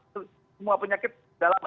semua penyakit dalam